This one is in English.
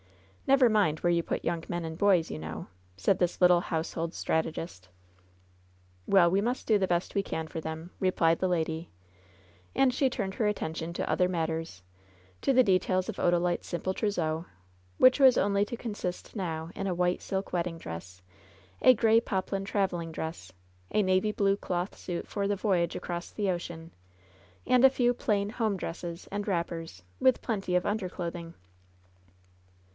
Never mind where you put yoimg men and boys, you know!" said this little household strategist. 'Well, we must do the best we can for them," replied the lady, and she turned her attention to other matters — to the details of Odalite's simple trousseau, which was only to consist now in a white silk wedding dress, a gray poplin traveling dress, a navy blue cloth suit for the voy age across the ocean, and a few plain, home dresses and wrappers, with plenty of underclothing.